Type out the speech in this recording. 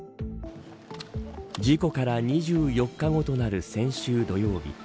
事故から２４日後となる先週土曜日。